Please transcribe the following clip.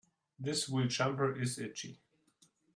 This wool jumper is itchy.